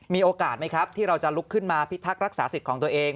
มีโอกาสไหมครับที่เราจะลุกขึ้นมาพิทักษ์รักษาสิทธิ์ของตัวเอง